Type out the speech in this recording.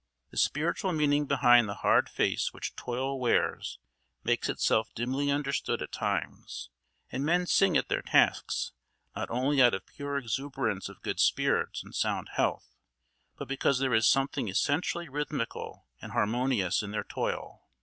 The spiritual meaning behind the hard face which toil wears makes itself dimly understood at times, and men sing at their tasks not only out of pure exuberance of good spirits and sound health, but because there is something essentially rhythmical and harmonious in their toil.